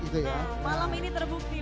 malam ini terbukti